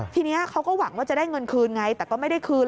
ทีนี้เขาก็หวังว่าจะได้เงินคืนไงแต่ก็ไม่ได้คืน